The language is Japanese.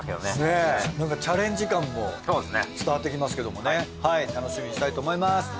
ねぇなんかチャレンジ感も伝わってきますけどもねはい楽しみにしたいと思います。